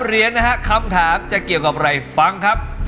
๓เย้นคำถามจากกับอะไรฟังครับ